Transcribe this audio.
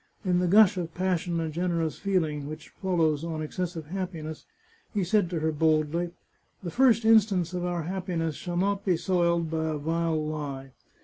In the gush of passion and generous feeling which fol lows on excessive happiness, he said to her boldly :" The first instants of our happiness shall not be soiled by a vile lie.